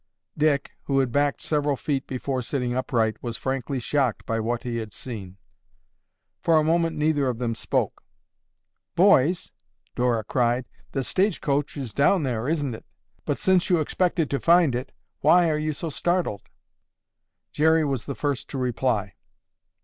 Dick, who had backed several feet before sitting upright, was frankly shocked by what he had seen. For a moment neither of them spoke. "Boys!" Dora cried. "The stage coach is down there, isn't it? But since you expected to find it, why are you so startled?" Jerry was the first to reply.